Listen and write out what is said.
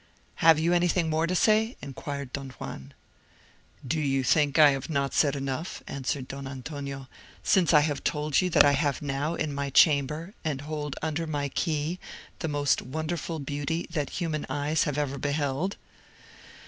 "Have you anything more to say?" inquired Don Juan. "Do you think I have not said enough," answered Don Antonio, "since I have told you that I have now in my chamber, and hold under my key, the most wonderful beauty that human eyes have ever beheld."